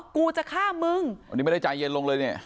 กูจะฆ่ามึงอันนี้ไม่ได้ใจเย็นลงเลยเนี่ย